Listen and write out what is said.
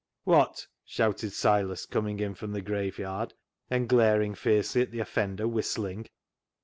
" Wot !" shouted Silas, coming in from the graveyard, and glaring fiercely at the offender whistling.